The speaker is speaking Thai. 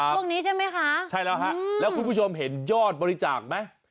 ช่วงนี้ใช่ไหมคะใช่แล้วฮะแล้วคุณผู้ชมเห็นยอดบริจาคไหม